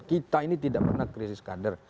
kita ini tidak pernah krisis kader